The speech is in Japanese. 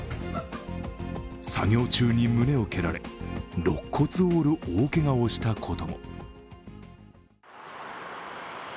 作業中に胸を蹴られ、ろっ骨を折る大けがをしたことも。